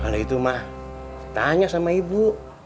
kalau itu mah tanya sama ibu